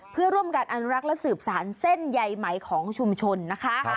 เพื่อร่วมกันอนุรักษ์และสืบสารเส้นใยไหมของชุมชนนะคะ